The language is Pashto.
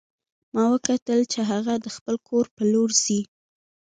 ما وکتل چې هغه د خپل کور په لور ځي